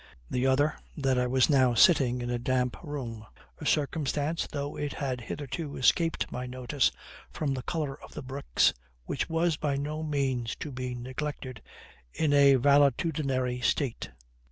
The other, that I was now sitting in a damp room, a circumstance, though it had hitherto escaped my notice from the color of the bricks, which was by no means to be neglected in a valetudinary state.